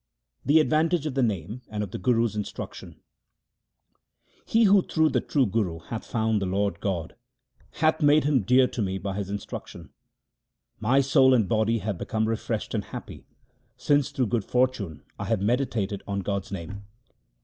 The advantage of the Name and of the Guru's instruction :— He who through the true Guru hath found the Lord God hath made Him dear to me by his instruction. My soul and body have become refreshed and happy 1 since through good fortune I have meditated on God's name.